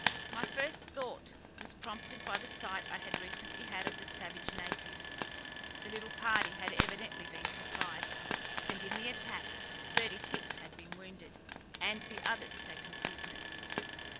My first thought was prompted by the sight I had recently had of the savage native. The little party had evidently been surprised, and in the attack Thirty six had been wounded and the others taken prisoners.